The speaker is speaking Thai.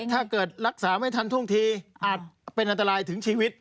ถ้าเกิดรักษาไม่ทันท่วงทีอาจเป็นอันตรายถึงชีวิต